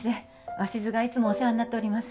鷲津がいつもお世話になっております。